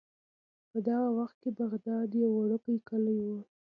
په دغه وخت کې بغداد یو وړوکی کلی و.